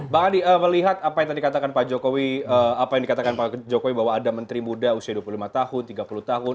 bang adi melihat apa yang tadi katakan pak jokowi apa yang dikatakan pak jokowi bahwa ada menteri muda usia dua puluh lima tahun tiga puluh tahun